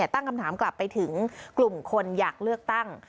ตั้งคำถามกลับไปถึงกลุ่มคนอยากเลือกตั้ง